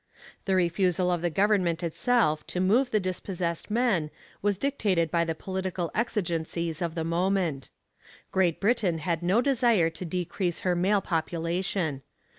The refusal of the government itself to move the dispossessed men was dictated by the political exigencies of the moment. Great Britain had no desire to decrease her male population.